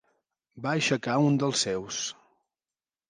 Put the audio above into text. Va aixecar un dels seus.